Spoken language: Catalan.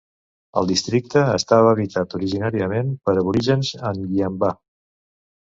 El districte estava habitat originalment pels aborígens Ngiyambaa.